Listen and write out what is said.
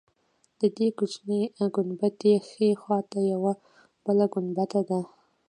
د دې کوچنۍ ګنبدې ښی خوا ته یوه بله ګنبده ده.